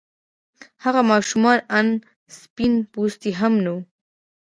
هغه ماشومه آن سپين پوستې هم نه وه.